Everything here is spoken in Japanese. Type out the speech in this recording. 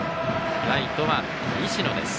ライトは石野です。